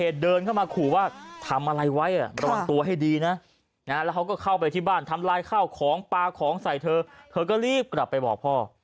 เธอก็รีบกลับไปบอกพ่อ